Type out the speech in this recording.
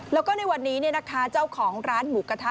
แล้วก็ในวันนี้เจ้าของร้านหมูกระทะ